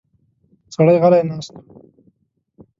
سړی غلی ناست و.